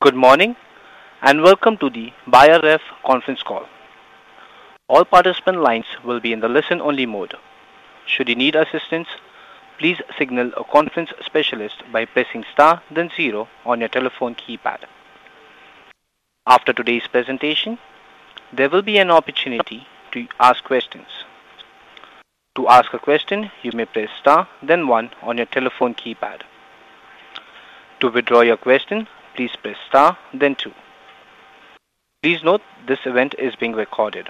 Good morning, and welcome to the Beijer Ref conference call. All participant lines will be in the listen-only mode. Should you need assistance, please signal a conference specialist by pressing star then zero on your telephone keypad. After today's presentation, there will be an opportunity to ask questions. To ask a question, you may press star then one on your telephone keypad. To withdraw your question, please press star then two. Please note this event is being recorded.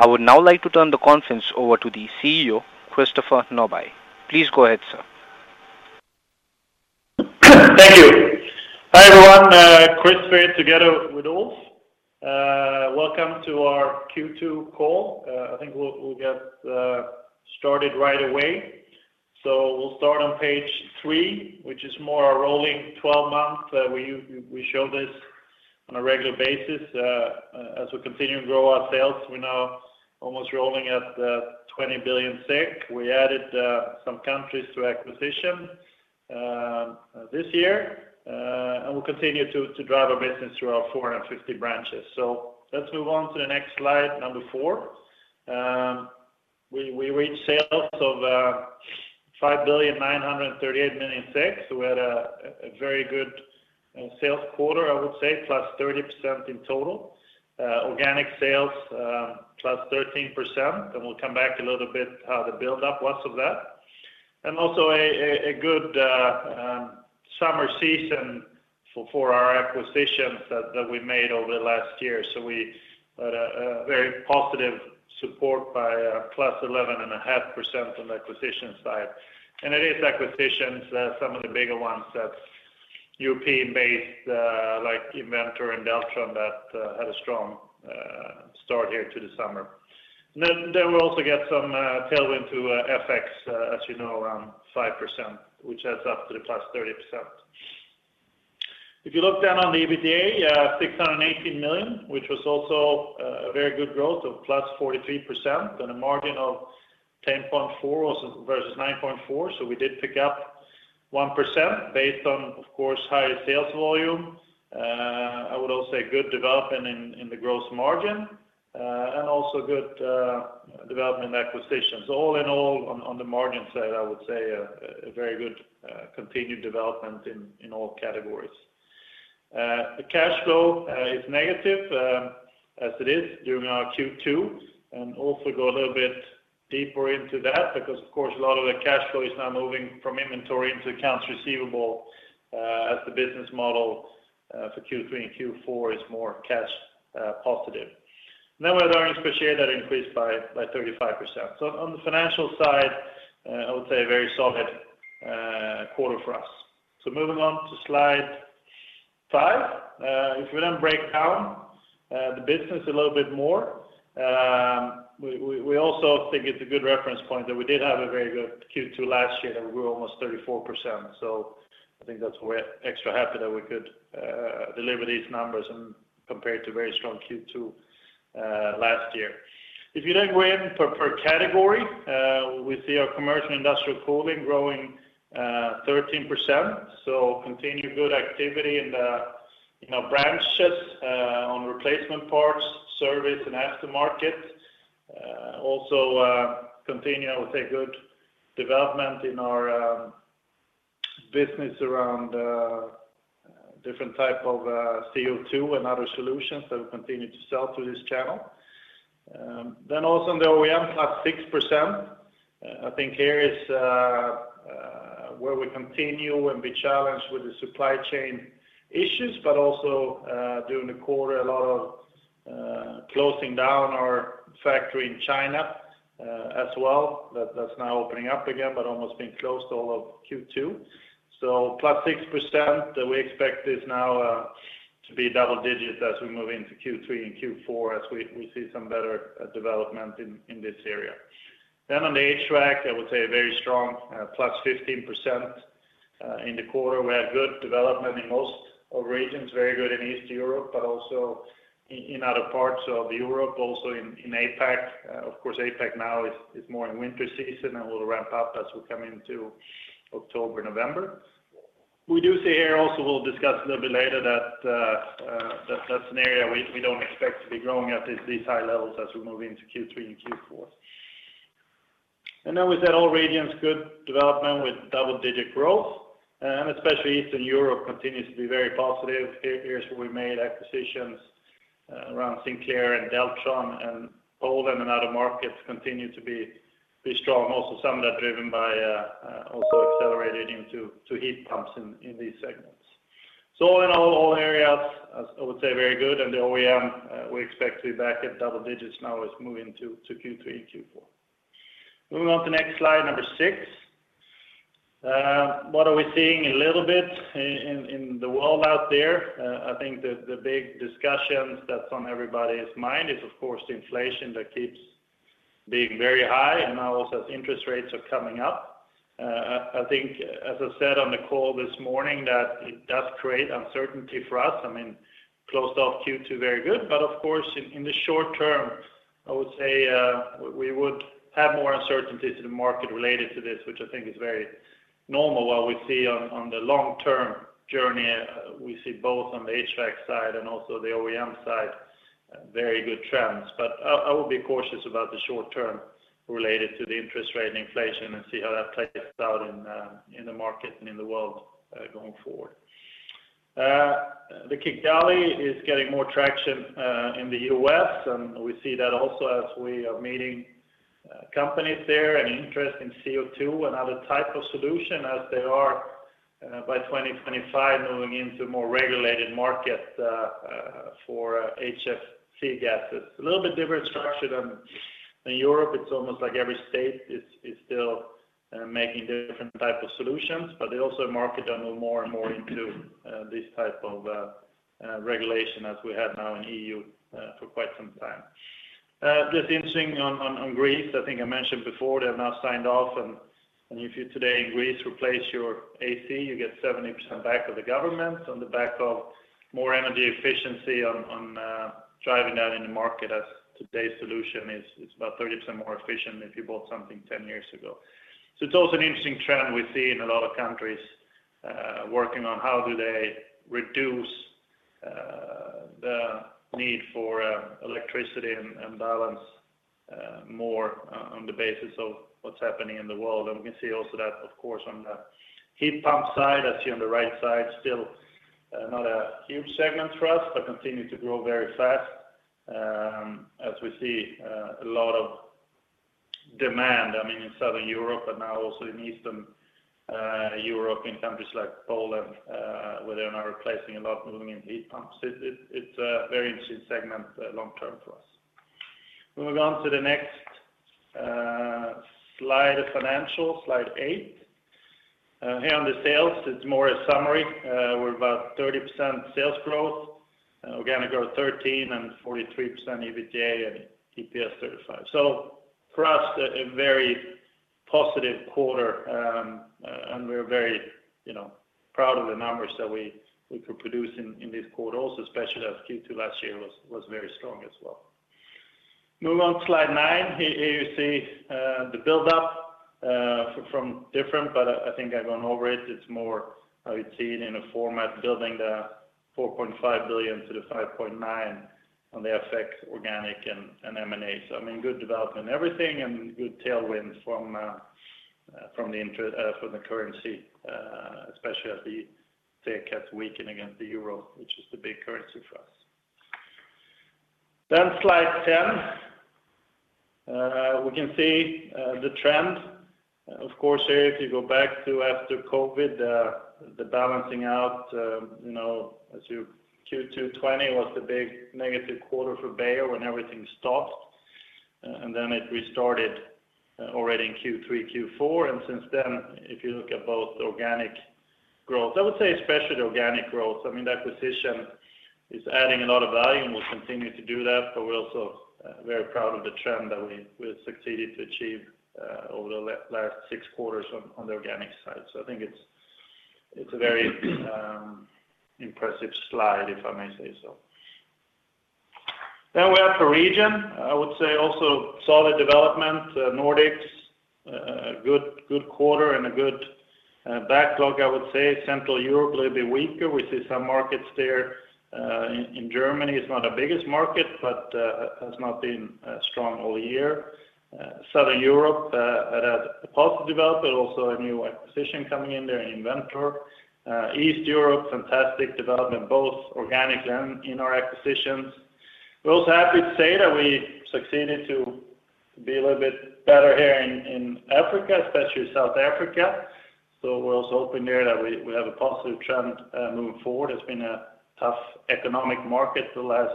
I would now like to turn the conference over to the CEO, Christopher Norbye. Please go ahead, sir. Thank you. Hi, everyone, Chris here together with Ulf. Welcome to our Q2 call. I think we'll get started right away. We'll start on page 3, which is more our rolling 12-month. We show this on a regular basis. As we continue to grow our sales, we're now almost rolling at 20 billion SEK. We added some countries through acquisition this year. We'll continue to drive our business through our 450 branches. Let's move on to the next slide, number 4. We reached sales of 5,938 million, so we had a very good sales quarter, I would say, +30% in total. Organic sales +13%, and we'll come back a little bit how the build-up was of that. Also a good summer season for our acquisitions that we made over the last year. We had a very positive support by +11.5% on the acquisition side. It is acquisitions, some of the bigger ones that European-based, like Inventor and Deltron that had a strong start here to the summer. Then we also get some tailwind to FX, as you know, around 5%, which adds up to the +30%. If you look down on the EBITDA, 618 million, which was also a very good growth of +43% on a margin of 10.4% versus 9.4%. We did pick up 1% based on, of course, higher sales volume. I would also say good development in the gross margin, and also good development in acquisitions. All in all, on the margin side, I would say a very good continued development in all categories. The cash flow is negative, as it is during our Q2, and also go a little bit deeper into that because, of course, a lot of the cash flow is now moving from inventory into accounts receivable, as the business model for Q3 and Q4 is more cash positive. With our earnings per share, that increased by 35%. On the financial side, I would say a very solid quarter for us. Moving on to slide five. If we then break down the business a little bit more, we also think it's a good reference point that we did have a very good Q2 last year, that we're almost 34%. I think that's why we're extra happy that we could deliver these numbers and compared to very strong Q2 last year. If you then go in per category, we see our commercial industrial cooling growing 13%. Continued good activity in the, you know, branches, on replacement parts, service and aftermarket. Also continue, I would say, good development in our business around different type of CO2 and other solutions that we continue to sell through this channel. Also on the OEM, up 6%. I think here is where we continue and be challenged with the supply chain issues, but also during the quarter, a lot of closing down our factory in China as well. That's now opening up again, but almost being closed all of Q2. Plus 6%, we expect this now to be double digits as we move into Q3 and Q4, as we see some better development in this area. On the HVAC, I would say a very strong plus 15% in the quarter. We have good development in most of regions, very good in Eastern Europe, but also in other parts of Europe, also in APAC. Of course, APAC now is more in winter season and will ramp up as we come into October, November. We do see here also, we'll discuss a little bit later that that's an area we don't expect to be growing at these high levels as we move into Q3 and Q4. Then with that, all regions, good development with double-digit growth, especially Eastern Europe continues to be very positive. Here's where we made acquisitions around Sinclair and Deltron, and Poland and other markets continue to be strong. Also some of that driven by also accelerated into heat pumps in these segments. In all areas, as I would say, very good. The OEM, we expect to be back at double digits now as we move into Q3 and Q4. Moving on to the next slide, number six. What are we seeing a little bit in the world out there? I think the big discussions that's on everybody's mind is, of course, the inflation that keeps being very high and now also as interest rates are coming up. I think, as I said on the call this morning, that it does create uncertainty for us. I mean, closed off Q2 very good, but of course, in the short term, I would say, we would have more uncertainties in the market related to this, which I think is very normal. What we see on the long term journey, we see both on the HVAC side and also the OEM side, very good trends. I will be cautious about the short term related to the interest rate and inflation and see how that plays out in the market and in the world going forward. The Kigali Amendment is getting more traction in the U.S., and we see that also as we are meeting companies there and interest in CO2 and other type of solution as they are by 2025 moving into more regulated markets for HFC gases. A little bit different structure than in Europe. It's almost like every state is still making different type of solutions, but they also marketing more and more into this type of regulation as we have now in EU for quite some time. Just interesting on Greece, I think I mentioned before, they have now signed off, and if you today in Greece replace your AC, you get 70% back from the government on the back of more energy efficiency driving that in the market as today's solution is about 30% more efficient if you bought something 10 years ago. It's also an interesting trend we see in a lot of countries working on how do they reduce the need for electricity and balance more on the basis of what's happening in the world. We can see also that, of course, on the heat pump side, as you see on the right side, still, not a huge segment for us, but continue to grow very fast, as we see, a lot of demand, I mean, in Southern Europe, but now also in Eastern, Europe, in countries like Poland, where they are now replacing a lot moving in heat pumps. It's a very interesting segment, long term for us. Moving on to the next, slide of financials, slide 8. Here on the sales, it's more a summary. We're about 30% sales growth. Organic growth 13% and 43% EBITA and EPS 35%. For us a very positive quarter, and we're very, you know, proud of the numbers that we could produce in this quarter also, especially as Q2 last year was very strong as well. Moving on to slide 9. Here you see the buildup from different, but I think I've gone over it. It's more how you see it in a format building the 4.5 billion-5.9 billion on the FX organic and M&A. I mean, good development, everything and good tailwinds from the currency, especially as the SEK has weakened against the euro, which is the big currency for us. Slide 10. We can see the trend. Of course, here if you go back to after COVID, the balancing out, you know, as Q2 2020 was the big negative quarter for Beijer when everything stopped. It restarted already in Q3, Q4. Since then, if you look at both organic growth, I would say especially the organic growth. I mean, the acquisition is adding a lot of value, and we'll continue to do that, but we're also very proud of the trend that we have succeeded to achieve over the last six quarters on the organic side. I think it's a very impressive slide, if I may say so. We have the region. I would say also solid development. Nordics, good quarter and a good backlog, I would say. Central Europe, a little bit weaker. We see some markets there in Germany. It's not our biggest market, but has not been strong all year. Southern Europe had a positive development, also a new acquisition coming in there in Inventor. East Europe, fantastic development, both organic and in our acquisitions. We're also happy to say that we succeeded to be a little bit better here in Africa, especially South Africa. We're also hoping here that we have a positive trend moving forward. It's been a tough economic market the last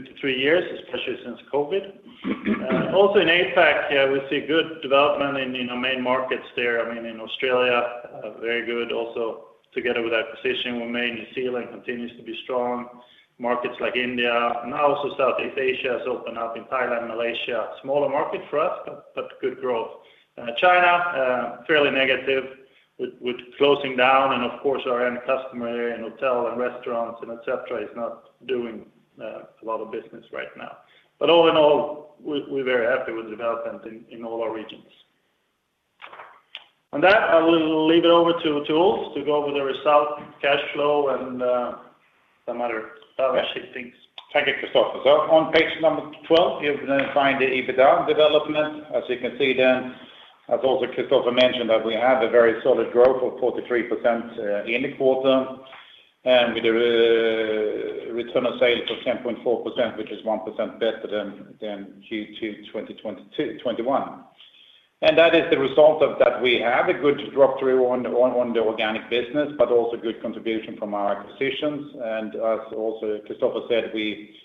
2-3 years, especially since COVID. Also in APAC, we see good development in our main markets there. I mean, in Australia very good also together with acquisition with HRP. New Zealand continues to be strong. Markets like India and also Southeast Asia has opened up in Thailand, Malaysia. Smaller market for us, but good growth. China fairly negative with closing down and of course our end customer here in hotel and restaurants and et cetera is not doing a lot of business right now. All in all, we're very happy with the development in all our regions. On that, I will leave it over to Ulf to go over the result, cash flow and some other things. Thank you, Christopher. On page 12, you can then find the EBITDA development. As you can see then, as also Christopher mentioned, that we have a very solid growth of 43% in the quarter. With a return on sales of 10.4%, which is 1% better than Q2 2021. That is the result of that we have a good growth rate on the organic business, but also good contribution from our acquisitions. As also Christopher said, we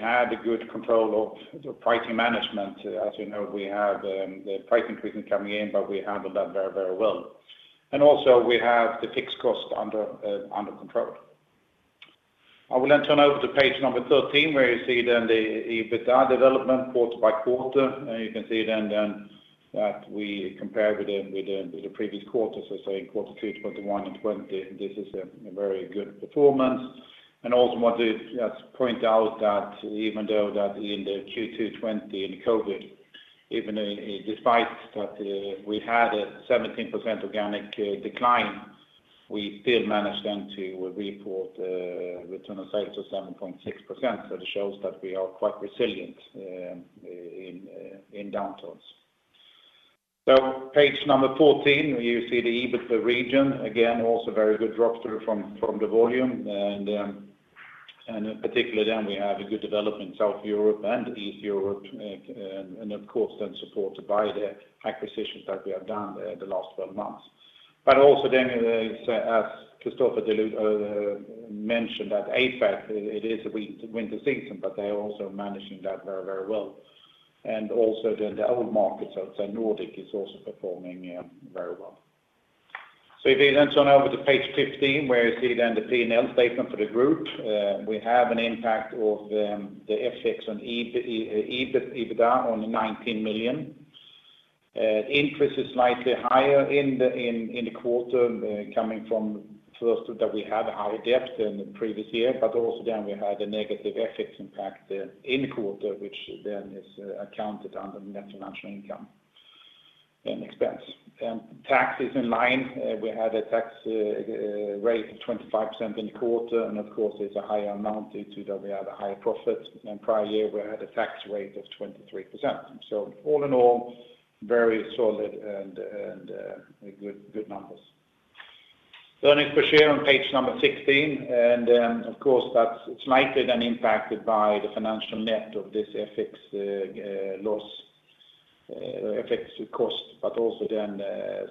had a good control of the pricing management. As you know, we had the price increase coming in, but we handled that very, very well. We have the fixed cost under control. I will then turn over to page 13, where you see then the EBITDA development quarter by quarter. You can see then that we compare with the previous quarters. Say quarter 2 2021 and 2020, this is a very good performance. Also want to just point out that even though that in the Q2 2020, in the COVID, even despite that, we had a 17% organic decline, we still managed then to report return on sales to 7.6%. It shows that we are quite resilient in downturns. Page 14, you see the EBIT by region, again, also very good drop through from the volume. In particular then we have a good development South Europe and East Europe, and of course that's supported by the acquisitions that we have done the last 12 months. Also then as Christopher Norbye mentioned that APAC, it is a winter season, but they are also managing that very, very well. Also the old markets, I would say Nordic is also performing very well. If you then turn over to page 15 where you see then the P&L statement for the group. We have an impact of the FX on EBIT, EBITDA on 19 million. Interest is slightly higher in the quarter, coming from first that we had a higher debt than the previous year, but also then we had a negative FX impact in the quarter, which then is accounted under net financial income and expense. Tax is in line. We had a tax rate of 25% in the quarter, and of course it's a higher amount due to that we have a higher profit. In prior year, we had a tax rate of 23%. All in all, very solid and good numbers. Earnings per share on page 16. Of course, that's slightly then impacted by the financial net of this FX loss, FX cost, but also then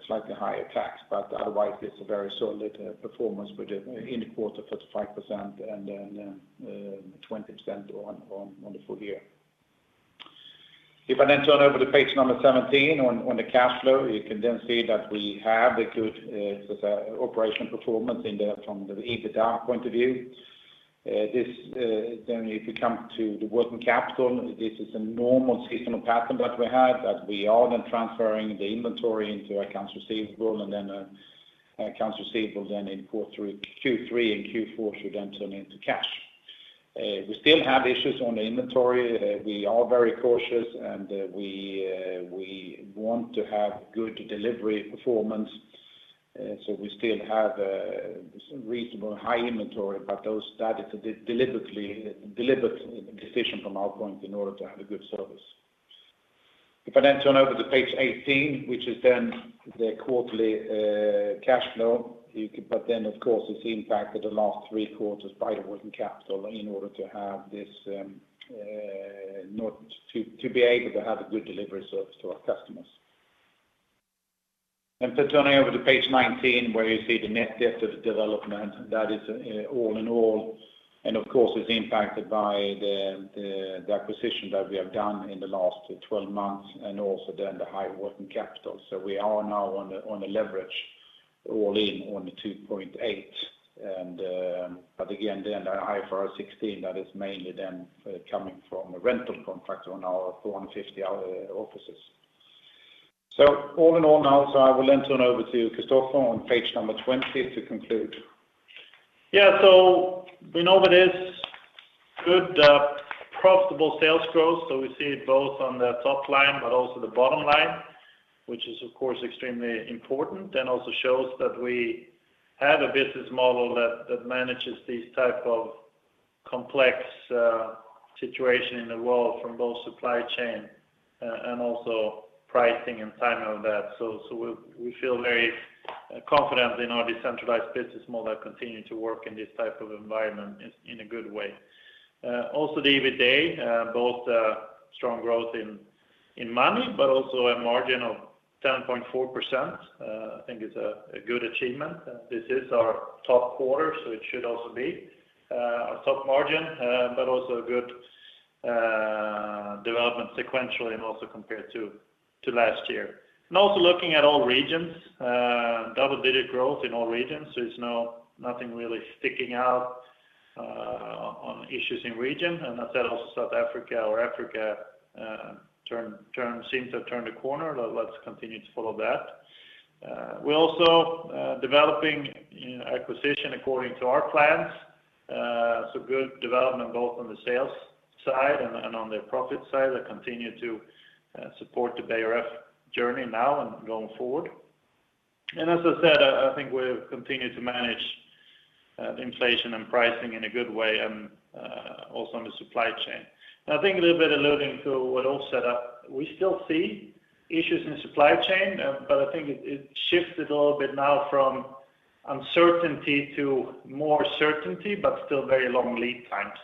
slightly higher tax. Otherwise, it's a very solid performance within the quarter, 45% and then 20% on the full year. If I then turn over to page 17 on the cash flow, you can then see that we have a good sort of operational performance from the EBITDA point of view. This, then if you come to the working capital, this is a normal seasonal pattern that we have, that we are then transferring the inventory into accounts receivable, and then, accounts receivable then in Q3 and Q4 should then turn into cash. We still have issues on the inventory. We are very cautious, and we want to have good delivery performance. So we still have reasonable high inventory, but that is a deliberate decision from our point in order to have a good service. If I then turn over to page 18, which is then the quarterly cash flow. Of course, it's impacted the last three quarters by the working capital in order to be able to have a good delivery service to our customers. Turning over to page 19 where you see the net debt development, that is all in all, and of course, it's impacted by the acquisition that we have done in the last 12 months and also then the high working capital. We are now on a leverage all in on the 2.8. But again, then the IFRS 16, that is mainly then coming from a rental contract on our 450 offices. All in all now, I will then turn over to Christopher on page number 20 to conclude. Yeah. We know that is good profitable sales growth. We see it both on the top line, but also the bottom line, which is of course extremely important, and also shows that we have a business model that manages these type of complex situation in the world from both supply chain and also pricing and timing of that. We feel very confident in our decentralized business model continuing to work in this type of environment in a good way. Also the EBITDA both strong growth in money, but also a margin of 10.4%. I think it's a good achievement. This is our top quarter, so it should also be our top margin, but also a good development sequentially and also compared to last year. Also looking at all regions, double-digit growth in all regions. There's nothing really sticking out on issues in region. That's also South Africa or Africa seems to have turned a corner. Let's continue to follow that. We're also developing acquisition according to our plans. Good development both on the sales side and on the profit side that continue to support the BRF journey now and going forward. As I said, I think we've continued to manage the inflation and pricing in a good way and also on the supply chain. I think a little bit alluding to what Ulf said. We still see issues in supply chain, but I think it shifted a little bit now from uncertainty to more certainty, but still very long lead times.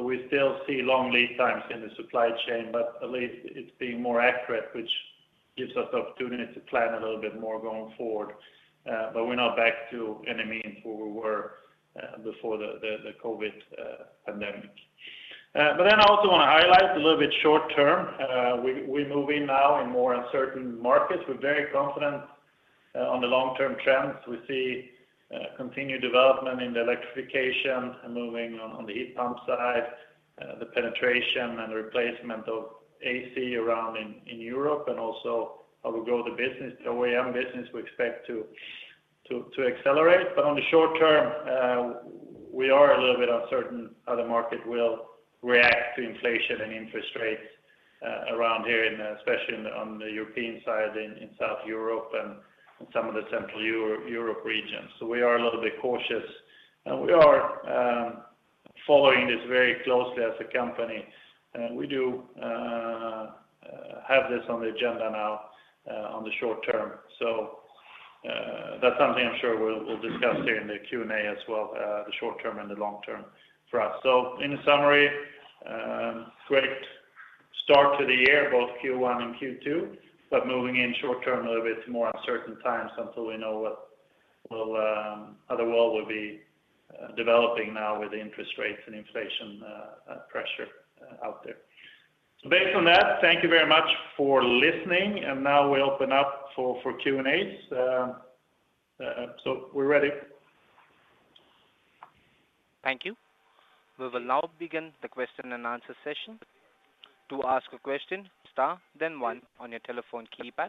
We still see long lead times in the supply chain, but at least it's being more accurate, which gives us opportunity to plan a little bit more going forward. We're not back by any means to where we were before the COVID pandemic. I also want to highlight a little bit short term. We move now in more uncertain markets. We're very confident on the long-term trends we see, continued development in the electrification and moving on the heat pump side, the penetration and the replacement of AC around in Europe and also how we grow the business. The way our business we expect to accelerate. On the short term, we are a little bit uncertain how the market will react to inflation and interest rates around here and especially on the European side in South Europe and in some of the Central Europe regions. We are a little bit cautious, and we are following this very closely as a company. We do have this on the agenda now on the short term. That's something I'm sure we'll discuss here in the Q&A as well, the short term and the long term for us. In summary, great start to the year, both Q1 and Q2, but moving in short term a little bit more uncertain times until we know how the world will be developing now with interest rates and inflation pressure out there. Based on that, thank you very much for listening. Now we open up for Q&A. We're ready. Thank you. We will now begin the question and answer session. To ask a question, star then one on your telephone keypad.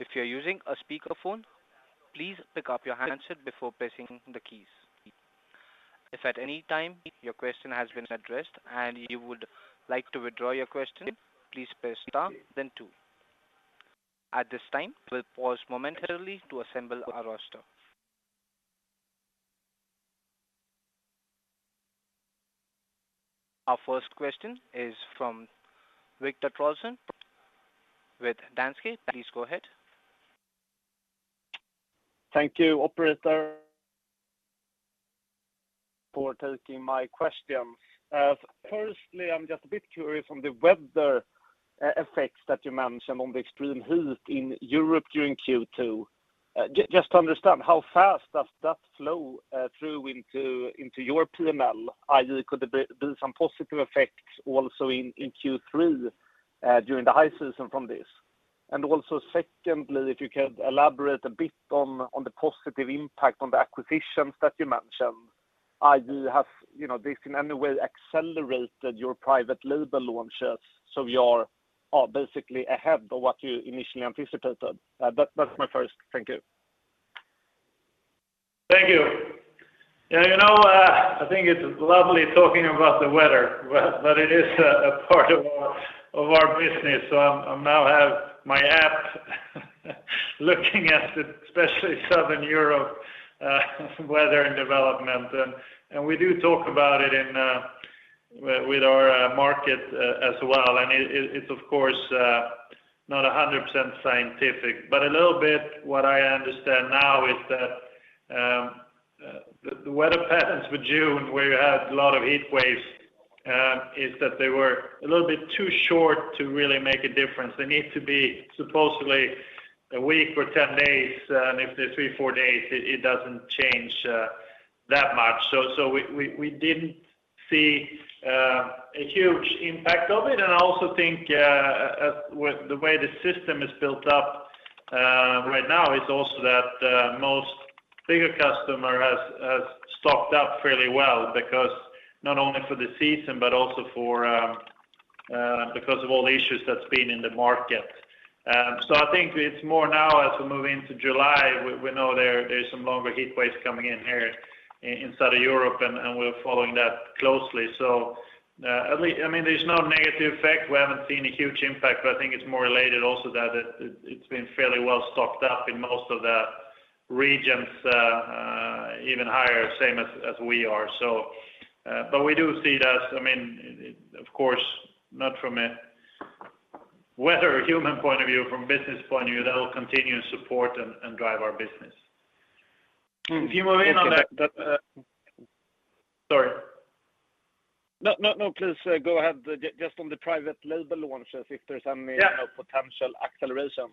If you're using a speakerphone, please pick up your handset before pressing the keys. If at any time your question has been addressed and you would like to withdraw your question, please press star then two. At this time, we'll pause momentarily to assemble our roster. Our first question is from Viktor Trollsten with Danske. Please go ahead. Thank you operator for taking my question. Firstly, I'm just a bit curious on the weather effects that you mentioned on the extreme heat in Europe during Q2. Just to understand, how fast does that flow through into your P&L? Could there be some positive effects also in Q3 during the high season from this? And also secondly, if you could elaborate a bit on the positive impact on the acquisitions that you mentioned. Do you have, you know, this in any way accelerated your private label launches, so you're basically ahead of what you initially anticipated? That's my first. Thank you. Thank you. Yeah, you know, I think it's lovely talking about the weather, but it is a part of our business, so I now have my app looking at especially Southern Europe weather and development. We do talk about it in with our market as well. It's of course not 100% scientific, but a little bit what I understand now is that the weather patterns for June, where you had a lot of heat waves, is that they were a little bit too short to really make a difference. They need to be supposedly a week or 10 days, and if they're 3, 4 days, it doesn't change that much. We didn't see a huge impact of it. I also think with the way the system is built up right now it's also that most bigger customer has stocked up fairly well because not only for the season but also because of all the issues that's been in the market. I think it's more now as we move into July we know there's some longer heat waves coming in here inside of Europe and we're following that closely. At least I mean there's no negative effect. We haven't seen a huge impact but I think it's more related also that it it's been fairly well stocked up in most of the regions even higher same as we are. we do see it as, I mean, of course, not from a weather, human point of view, from business point of view, that will continue to support and drive our business. If you move in on that- Okay. Sorry. No, no, please, go ahead. Just on the private label launches, if there's any. Yeah You know, potential acceleration.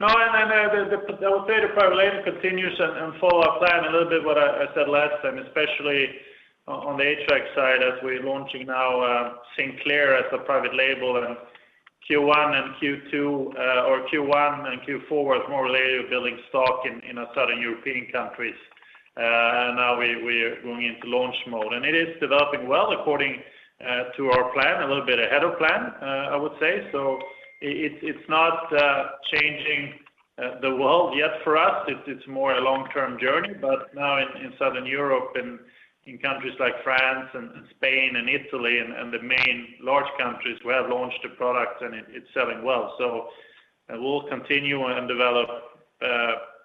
No, the private label continues and follow our plan a little bit what I said last time, especially on the HVAC side as we're launching now Sinclair as a private label. Q1 and Q2 or Q1 and Q4 was more related to building stock in Southern European countries. Now we're going into launch mode. It is developing well according to our plan, a little bit ahead of plan, I would say. It's not changing the world yet for us. It's more a long-term journey. Now in Southern Europe and in countries like France and Spain and Italy and the main large countries, we have launched a product and it's selling well. We'll continue and develop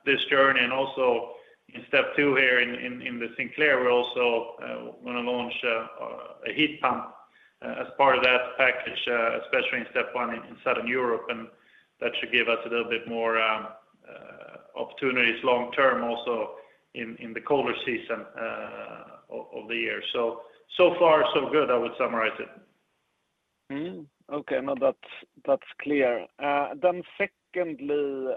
this journey. also in step two here in the Sinclair, we're also gonna launch a heat pump as part of that package, especially in step one in Southern Europe, and that should give us a little bit more opportunities long term also in the colder season of the year. so far so good, I would summarize it. Okay. No, that's clear. Secondly,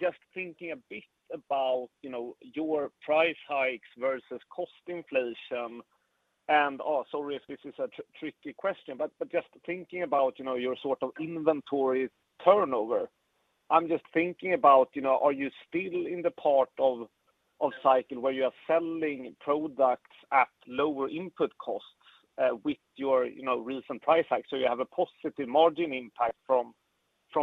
just thinking a bit about your price hikes versus cost inflation. Sorry if this is a tricky question, but just thinking about your sort of inventory turnover. I'm just thinking about, you know, are you still in the part of the cycle where you are selling products at lower input costs with your recent price hike? So you have a positive margin impact from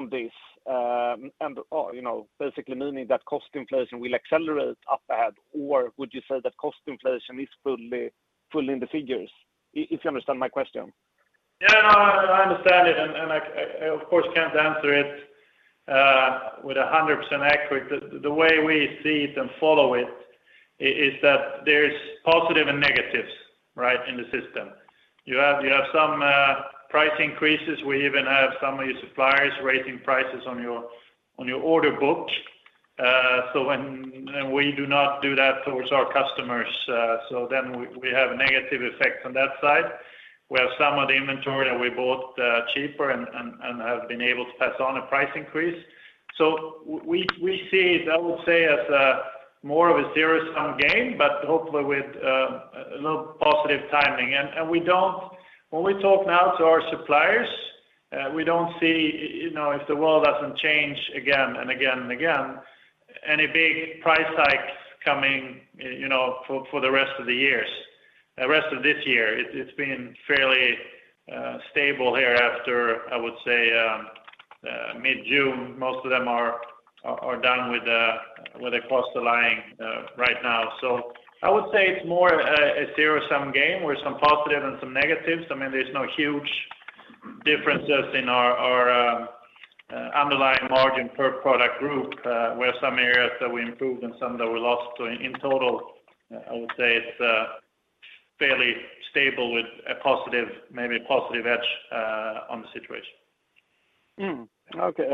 this, and or you know, basically meaning that cost inflation will accelerate up ahead. Or would you say that cost inflation is fully in the figures? If you understand my question. Yeah. No, I understand it and I of course can't answer it with 100% accurate. The way we see it and follow it is that there's positive and negatives, right? In the system. You have some price increases. We even have some of your suppliers raising prices on your order book. We do not do that towards our customers. We have negative effects on that side, where some of the inventory that we bought cheaper and have been able to pass on a price increase. We see it, I would say, as a more of a zero-sum game, but hopefully with a little positive timing. We don't. When we talk now to our suppliers, we don't see, you know, if the world doesn't change again, and again, and again, any big price hikes coming, you know, for the rest of the years. The rest of this year it's been fairly stable here after, I would say, mid-June. Most of them are done with a cost alignment right now. I would say it's more a zero-sum game where some positive and some negatives. I mean, there's no huge differences in our underlying margin per product group, where some areas that we improved and some that we lost to. In total, I would say it's fairly stable with a positive, maybe a positive edge on the situation. Okay.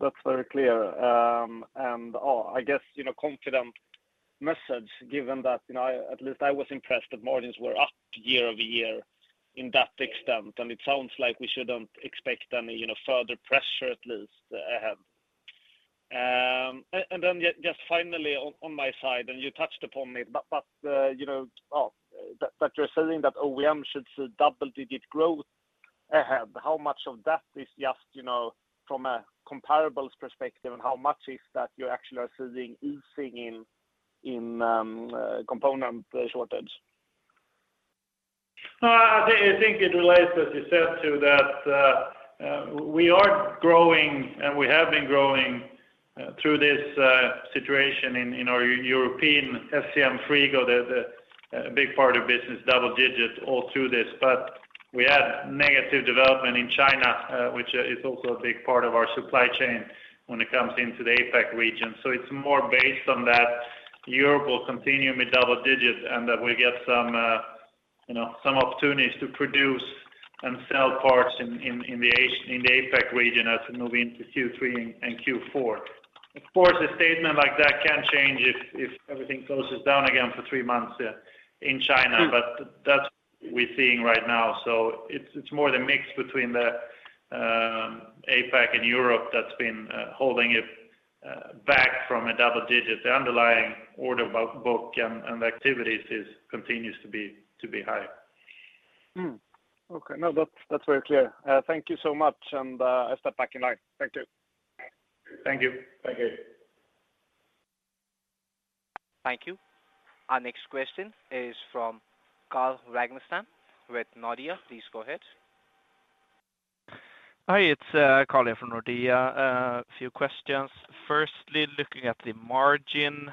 That's very clear. I guess, you know, confident message given that, you know, at least I was impressed that margins were up year-over-year in that extent, and it sounds like we shouldn't expect any, you know, further pressure at least ahead. Just finally on my side, and you touched upon it, but, you know, that you're saying that OEM should see double-digit growth ahead. How much of that is just, you know, from a comparables perspective and how much is that you actually are seeing easing in component shortage? No, I think it relates, as you said, to that, we are growing and we have been growing, through this situation in our European SCMFrigo, the big part of business, double digits all through this. We had negative development in China, which is also a big part of our supply chain when it comes into the APAC region. It's more based on that Europe will continue with double digits, and that we get some, you know, some opportunities to produce and sell parts in the APAC region as we move into Q3 and Q4. Of course, a statement like that can change if everything closes down again for three months in China. Mm. That's what we're seeing right now. It's more the mix between the APAC and Europe that's been holding it back from a double digit. The underlying order book and activities continues to be high. Okay. No, that's very clear. Thank you so much, and I step back in line. Thank you. Thank you. Thank you. Thank you. Our next question is from Carl Ragnerstam with Nordea. Please go ahead. Hi, it's Carl here from Nordea. A few questions. Firstly, looking at the margin,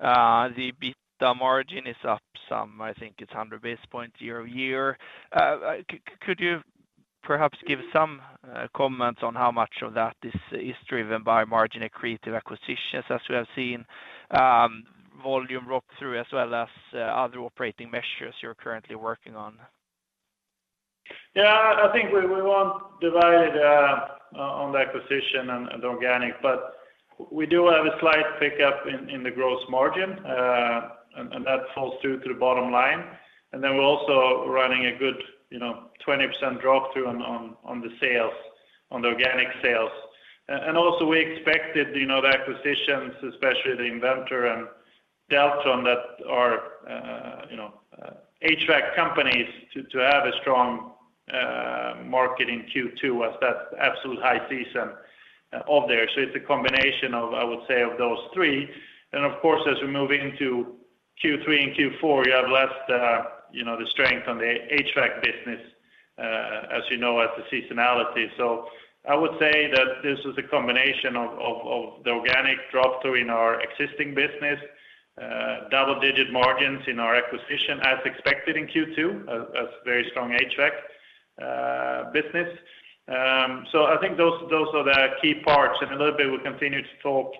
the EBITDA margin is up some. I think it's 100 basis points year-over-year. Could you perhaps give some comments on how much of that is driven by margin accretive acquisitions as we have seen volume drop through, as well as other operating measures you're currently working on? Yeah. I think we won't divide on the acquisition and organic, but we do have a slight pickup in the gross margin, and that falls through to the bottom line. Then we're also running a good, you know, 20% drop through on the sales, on the organic sales. We expected, you know, the acquisitions, especially the Inventor and Deltron that are, you know, HVAC companies to have a strong market in Q2 as that's absolute high season of theirs. It's a combination of, I would say, of those three. Of course, as we move into Q3 and Q4, you have less, you know, the strength on the HVAC business, as you know, as the seasonality. I would say that this is a combination of the organic drop through in our existing business, double-digit margins in our acquisition as expected in Q2, as very strong HVAC business. I think those are the key parts. In a little bit, we'll continue to talk,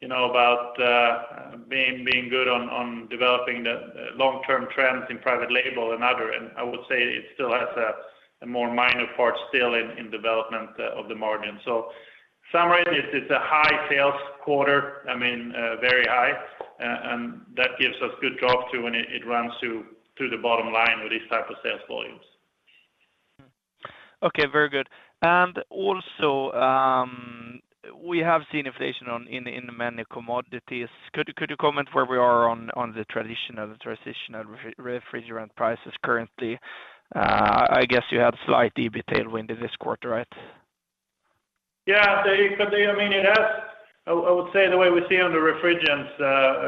you know, about being good on developing the long-term trends in private label and other, and I would say it still has a more minor part still in development of the margin. Summary is it's a high sales quarter, I mean, very high, and that gives us good drop through when it runs through the bottom line with these type of sales volumes. Okay, very good. Also, we have seen inflation in many commodities. Could you comment where we are on the traditional refrigerant prices currently? I guess you had slight EBITDA win this quarter, right? I mean, it has. I would say the way we see on the refrigerants,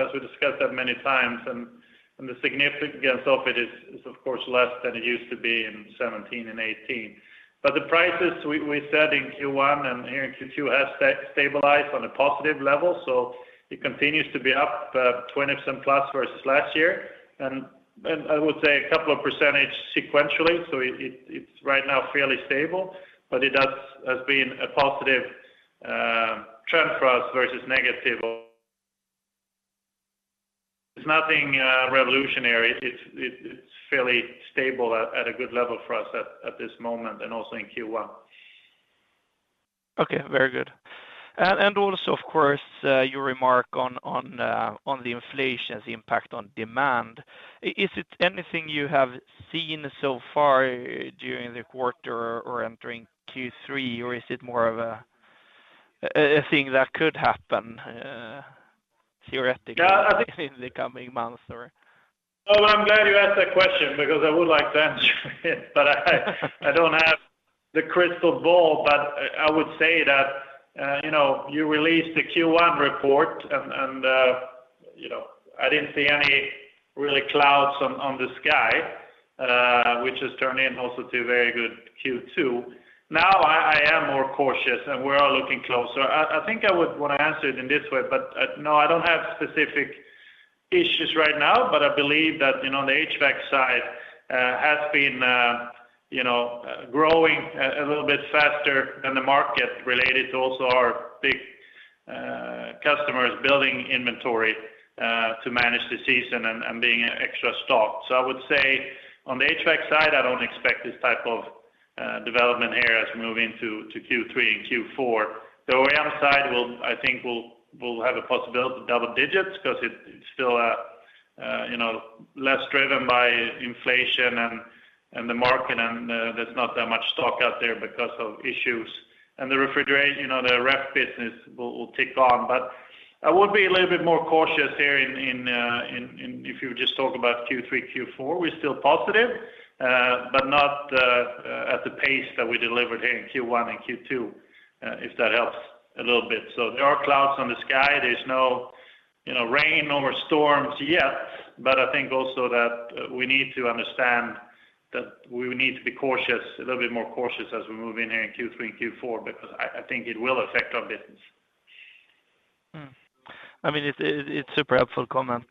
as we discussed that many times and the significance of it is of course less than it used to be in 2017 and 2018. The prices we set in Q1 and here in Q2 has stabilized on a positive level, so it continues to be up 20-some+ versus last year. I would say a couple of percentage sequentially, so it's right now fairly stable, but it has been a positive trend for us versus negative. It's nothing revolutionary. It's fairly stable at a good level for us at this moment and also in Q1. Okay. Very good. Also of course, you remark on the inflation and the impact on demand. Is it anything you have seen so far during the quarter or entering Q3? Or is it more of a thing that could happen theoretically? Yeah. in the coming months or? Oh, I'm glad you asked that question because I would like to answer it, but I don't have the crystal ball. I would say that, you know, you released the Q1 report and, you know, I didn't see any really clouds on the sky, which has turned in also to very good Q2. Now I am more cautious, and we're all looking closer. I think I would wanna answer it in this way, but no, I don't have specific issues right now, but I believe that, you know, on the HVAC side has been growing a little bit faster than the market related to also our big customers building inventory to manage the season and being extra stocked. I would say on the HVAC side, I don't expect this type of development here as we move into Q3 and Q4. The OEM side will, I think, have a possibility to double digits 'cause it's still, you know, less driven by inflation and the market and there's not that much stock out there because of issues. The ref business will tick on. I would be a little bit more cautious here if you just talk about Q3, Q4. We're still positive, but not at the pace that we delivered here in Q1 and Q2, if that helps a little bit. There are clouds on the sky. There's no, you know, rain or storms yet. I think also that we need to understand that we need to be cautious, a little bit more cautious as we move in here in Q3 and Q4, because I think it will affect our business. I mean, it's super helpful comment.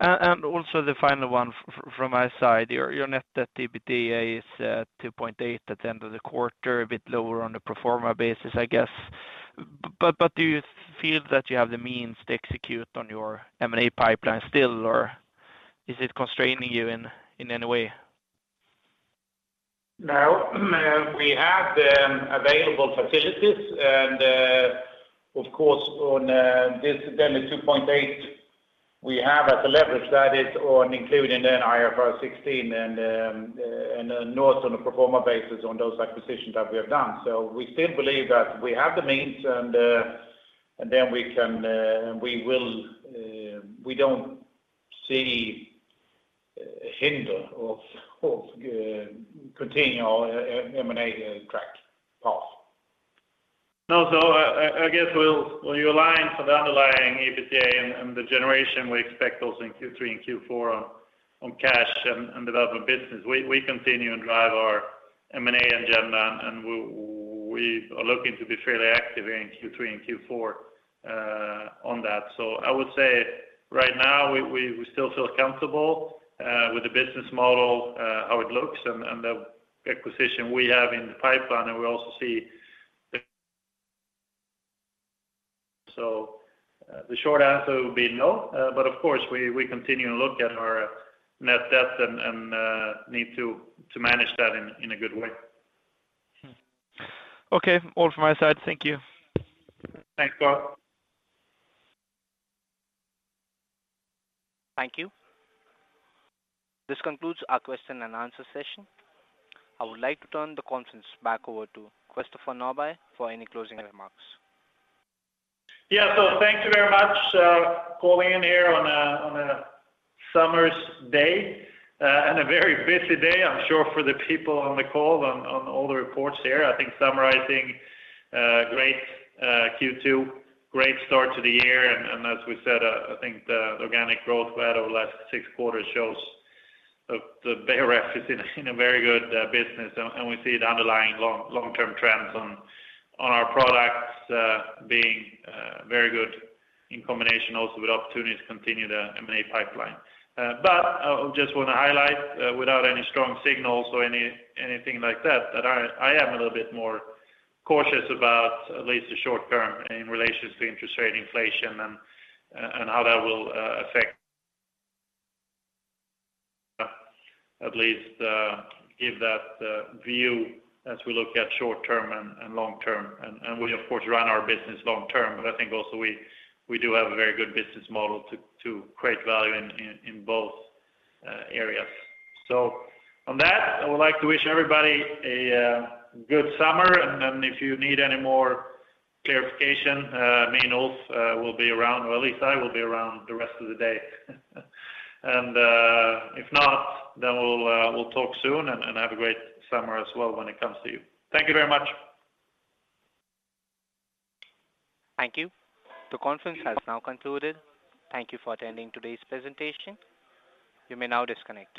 Also the final one from my side. Your net debt to EBITDA is 2.8 at the end of the quarter, a bit lower on the pro forma basis, I guess. Do you feel that you have the means to execute on your M&A pipeline still, or is it constraining you in any way? No. We have the available facilities and of course on this then the 2.8 we have as a leverage that is on including then IFRS 16 and net on a pro forma basis on those acquisitions that we have done. We still believe that we have the means and then we can we will. We don't see a hindrance to continuing our M&A track path. I guess we'll aim for the underlying EBITDA and the generation we expect also in Q3 and Q4 on cash and development business. We continue and drive our M&A agenda, and we are looking to be fairly active here in Q3 and Q4 on that. I would say right now we still feel comfortable with the business model, how it looks and the acquisition we have in the pipeline. The short answer would be no. Of course we continue to look at our net debt and need to manage that in a good way. Okay. All from my side. Thank you. Thanks, Carl. Thank you. This concludes our question and answer session. I would like to turn the conference back over to Christopher Norbye for any closing remarks. Yeah. Thank you very much, calling in here on a summer's day, and a very busy day I'm sure for the people on the call on all the reports here. I think summarizing a great Q2, great start to the year, and as we said, I think the organic growth we had over the last six quarters shows the Beijer Ref is in a very good business. We see the underlying long-term trends on our products being very good in combination also with opportunities to continue the M&A pipeline. I just wanna highlight, without any strong signals or anything like that I am a little bit more cautious about at least the short term in relations to interest rate inflation and how that will affect. At least give that view as we look at short term and long term. We of course run our business long term, but I think also we do have a very good business model to create value in both areas. On that, I would like to wish everybody a good summer, and then if you need any more clarification, me and Ulf will be around, or at least I will be around the rest of the day. If not, then we'll talk soon and have a great summer as well when it comes to you. Thank you very much. Thank you. The conference has now concluded. Thank you for attending today's presentation. You may now disconnect.